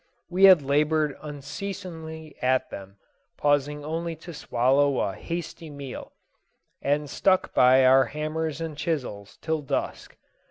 We had laboured unceasingly at them, pausing only to swallow a hasty meal, and stuck by our hammers and chisels till dusk.